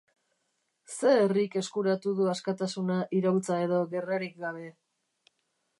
Ze herrik eskuratu du askatasuna iraultza edo gerrarik gabe?